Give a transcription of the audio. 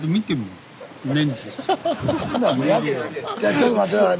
ちょっと待って下さい。